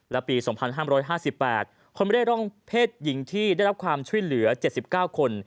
และปี๒๕๕๘คนไม่ได้ร่องเพศหญิงที่ได้รับความช่วยเหลือ๗๙คน